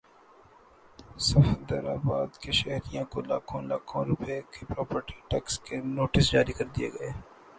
صفدرآباد کے شہریوں کو لاکھوں لاکھوں روپے کے پراپرٹی ٹیکس کے نوٹس جاری کردیئے گئے